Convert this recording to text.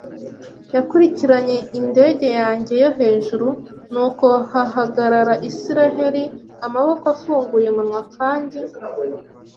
yakurikiranye indege yanjye yo hejuru; nuko hahagarara Isiraheli Amaboko afunguye umunwa kandi